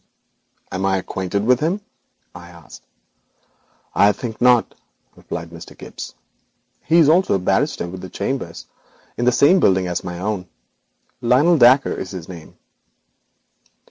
'Am I acquainted with him?' I asked. 'I think not,' replied Mr. Gibbes; 'he also is a barrister with chambers in the same building as my own. Lionel Dacre is his name.'